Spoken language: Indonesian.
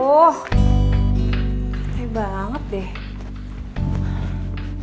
wah tebel banget deh